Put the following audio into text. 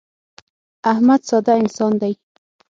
احمد ساده انسان دی.